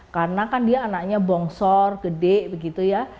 karena kan dia anaknya bongsor gede begitu ya